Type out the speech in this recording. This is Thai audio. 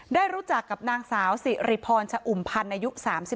ได้รู้จักกับนางสาวสิริพรชะอุ่มพันธ์อายุ๓๒